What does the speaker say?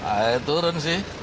ayo turun sih